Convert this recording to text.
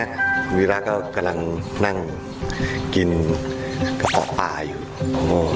คุณวีรักก็กำลังนั่งกินเบาะป่าอยู่